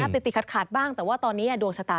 ติดขัดบ้างแต่ว่าตอนนี้ดวงชะตา